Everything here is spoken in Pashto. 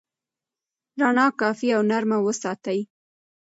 رڼا کافي او نرمه وساتئ.